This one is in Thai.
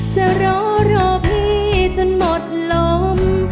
จะรอรอพี่จนหมดลม